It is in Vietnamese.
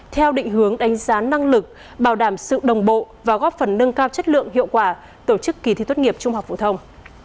theo định hướng đánh giá năng lực bảo đảm sự đồng bộ và góp phần nâng cao chất lượng hiệu quả tổ chức kỳ thi tốt nghiệp trung học phổ thông